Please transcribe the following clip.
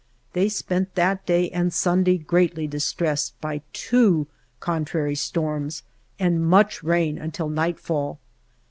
They spent that day and Sunday greatly distressed by two contrary storms and much rain, until nightfall.